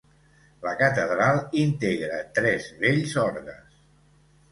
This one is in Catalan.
La Catedral integra tres bells orgues.